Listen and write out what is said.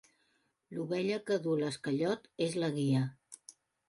L'ovella que duu l'esquellot és la guia.